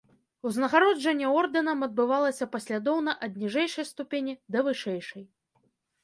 Узнагароджанне ордэнам адбывалася паслядоўна ад ніжэйшай ступені да вышэйшай.